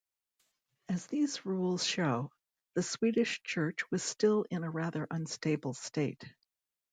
As these rules show, the Swedish Church was still in a rather unstable state.